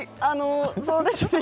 そうですね。